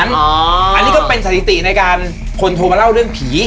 อันนี้ก็เป็นสถิติในการคนโทรมาเล่าเรื่องผี